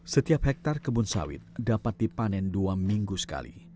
setiap hektare kebun sawit dapat dipanen dua minggu sekali